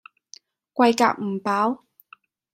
貴夾唔飽